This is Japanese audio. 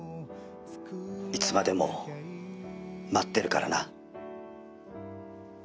「いつまでも待ってるからな」